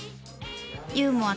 ユーモア